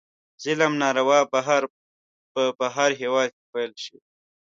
ظلم او ناروا به په هر هیواد کې پیل شي.